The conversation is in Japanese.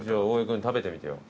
君食べてみてよ。